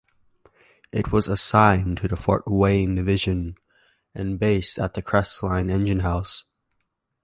It was assigned to the Fort Wayne Division and based at the Crestline enginehouse.